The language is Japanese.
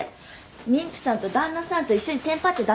妊婦さんと旦那さんと一緒にテンパっちゃダメでしょ。